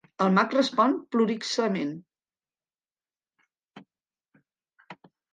El mag respon prolixament.